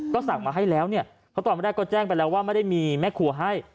ก็สั่งมาให้แล้วเนี่ยเพราะตอนแรกก็แจ้งไปแล้วว่าไม่ได้มีแม่ครัวให้